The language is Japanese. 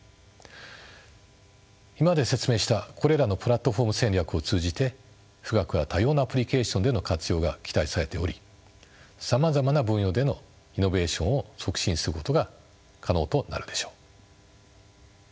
今まで説明したこれらのプラットフォーム戦略を通じて富岳は多様なアプリケーションでの活用が期待されておりさまざまな分野でのイノベーションを促進することが可能となるでしょう。